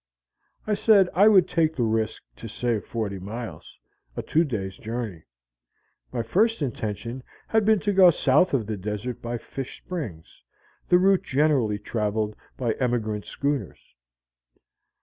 I said I would take the risk to save forty miles, a two days' journey. My first intention had been to go south of the desert by Fish Springs, the route generally traveled by emigrant schooners.